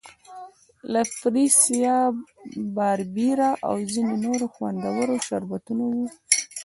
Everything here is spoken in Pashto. لکه فریسا، باربیرا او ځیني نور خوندور شربتونه وو.